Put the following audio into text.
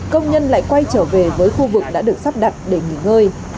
công nhân lại quay trở về với khu vực đã được sắp đặt để nghỉ ngơi